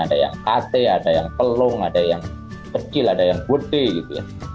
ada yang ht ada yang kelung ada yang kecil ada yang putih gitu ya